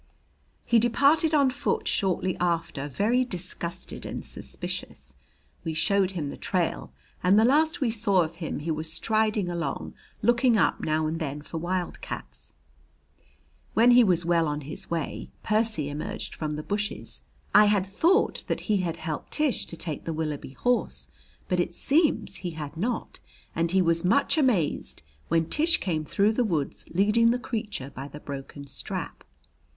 He departed on foot shortly after, very disgusted and suspicious. We showed him the trail, and the last we saw of him he was striding along, looking up now and then for wildcats. When he was well on his way, Percy emerged from the bushes. I had thought that he had helped Tish to take the Willoughby horse, but it seems he had not, and he was much amazed when Tish came through the wood leading the creature by the broken strap.